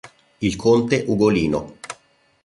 Il conte Ugolino